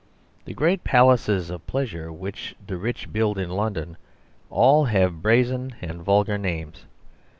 The great palaces of pleasure which the rich build in London all have brazen and vulgar names.